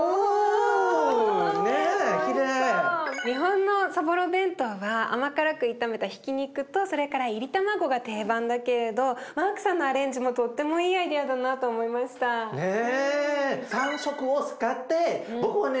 日本のそぼろ弁当は甘辛く炒めたひき肉とそれからいり卵が定番だけれどマークさんのアレンジもとってもいいアイデアだなと思いました。ね！